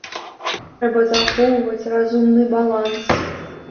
Трэба захоўваць разумны баланс.